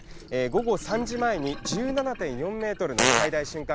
午後３時前に１７．４メートルの最大瞬間